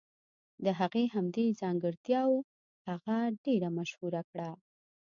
د هغې همدې ښو ځانګرتياوو هغه ډېره مشهوره کړه.